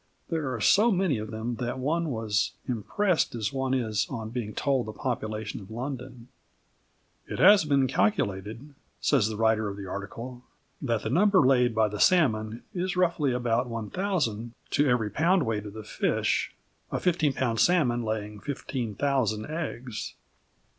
There are so many of them that one was impressed as one is on being told the population of London. "It has been calculated," says the writer of the article, "that the number laid by the salmon is roughly about 1000 to every pound weight of the fish, a 15 lb. salmon laying 15,000 eggs.